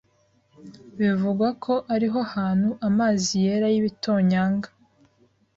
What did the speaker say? Bivugwa ko ariho hantu amazi yera y’ibitonyanga